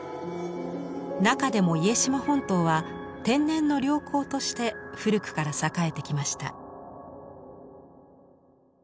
中でも家島本島は天然の良港として古くから栄えてきました。